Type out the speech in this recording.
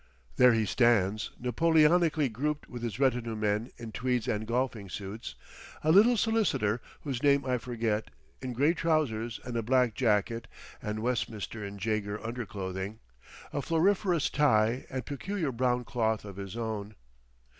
There he stands, Napoleonically grouped with his retinue men in tweeds and golfing suits, a little solicitor, whose name I forget, in grey trousers and a black jacket, and Westminster in Jaeger underclothing, a floriferous tie, and peculiar brown cloth of his own.